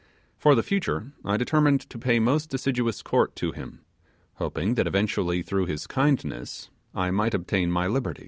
For the future I determined to pay most assiduous court to him, hoping that eventually through his kindness I might obtain my liberty.